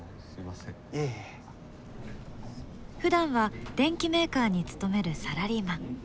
ふだんは電機メーカーに勤めるサラリーマン。